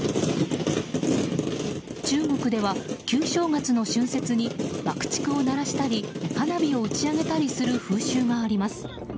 中国では旧正月の春節に爆竹を鳴らしたり花火を打ち上げたりする風習があります。